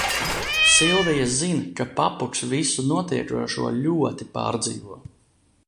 Silvija zin, ka papuks visu notiekošo ļoti pārdzīvo.